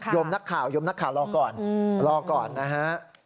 มนักข่าวยมนักข่าวรอก่อนรอก่อนนะฮะ